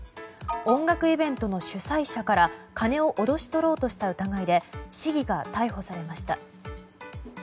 音楽イベントの主催者から金を脅し取ろうとした疑いで市議が逮捕されました。